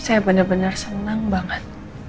saya bener bener senang banget